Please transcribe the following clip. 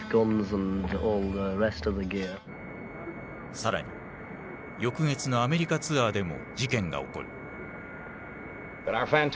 更に翌月のアメリカツアーでも事件が起こる。